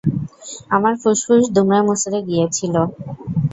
আমার ফুসফুস দুমড়েমুচড়ে গিয়েছিল।